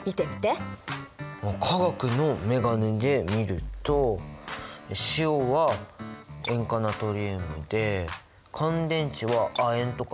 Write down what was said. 化学のメガネで見ると塩は塩化ナトリウムで乾電池は亜鉛とかでしょ。